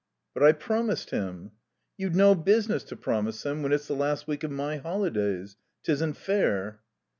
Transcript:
"But I promised him." "You'd no business to promise him, when it's the last week of my holidays. 'Tisn't fair."